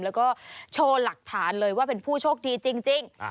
แล้วก็โชว์หลักฐานเลยว่าเป็นผู้โชคดีจริง